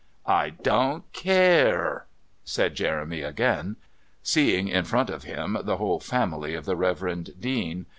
"I don't care," said Jeremy again, seeing in front of him the whole family of the Reverend Dean.